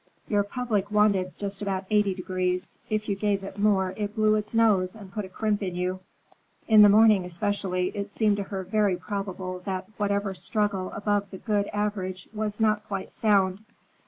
Your public wanted just about eighty degrees; if you gave it more it blew its nose and put a crimp in you. In the morning, especially, it seemed to her very probable that whatever struggled above the good average was not quite sound.